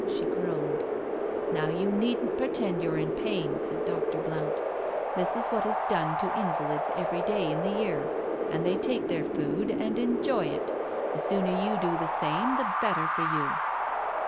She groaned. " Now you needn't pretend you're in pain," said Dr. Blount. " This is what is done to invalids every day in the year, and they take their food and enjoy it — the sooner you do the same the better for you.'